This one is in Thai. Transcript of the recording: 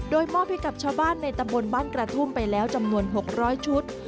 โดยมอบให้กับชาวบ้านในตำบลบ้านกระทุ่มไปแล้วจำนวน๖๐๐ชุด